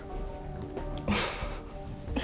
ya ada apa sih